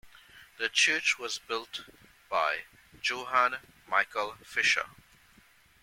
The church was built by Johann Michael Fischer.